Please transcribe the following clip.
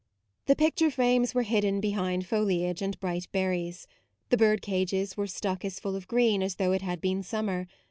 The pic ture frames were hidden behind foli age and bright berries ; the bird cages were stuck as full of green as though it had been summer.